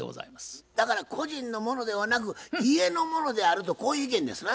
だから個人のものではなく家のものであるとこういう意見ですな？